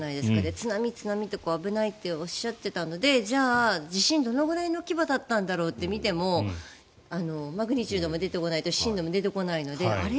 津波、津波と危ないとおっしゃっていたのでじゃあ、地震、どのぐらいの規模だったんだろうと見てもマグニチュード出てこないと震度も出てこないのであれ？